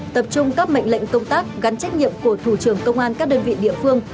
tập trung các mệnh lệnh công tác gắn trách nhiệm của thủ trưởng công an các đơn vị địa phương